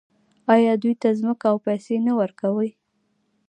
آیا دوی ته ځمکه او پیسې نه ورکوي؟